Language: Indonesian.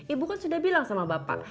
ibu kan sudah bilang sama bapak